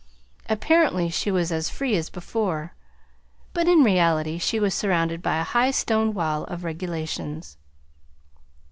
Apparently she was as free as before, but in reality she was surrounded by a high stone wall of regulations.